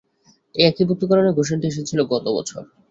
এই একীভূতকরণের ঘোষণাটি এসেছিল গত বছর।